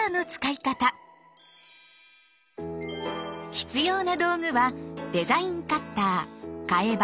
必要な道具はデザインカッターって？